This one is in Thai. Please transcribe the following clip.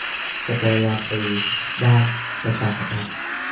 จบปริญญาตรีด้านประชาสัมพันธ์